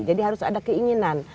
jadi harus ada keinginan